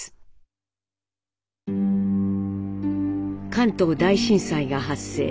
関東大震災が発生。